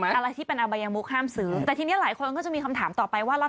อะไรที่เป็นอบายมุกห้ามซื้อแต่ทีนี้หลายคนก็จะมีคำถามต่อไปว่าแล้ว